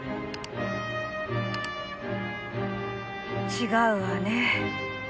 違うわねぇ。